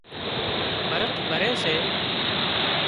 ڀرت ڀري سي